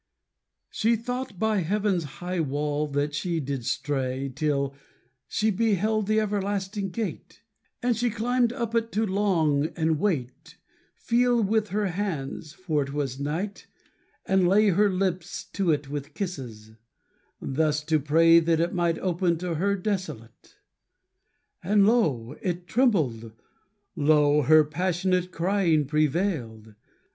She thought by heaven's high wall that she did stray Till she beheld the everlasting gate: And she climbed up to it to long, and wait, Feel with her hands (for it was night), and lay Her lips to it with kisses; thus to pray That it might open to her desolate. And lo! it trembled, lo! her passionate Crying prevailed.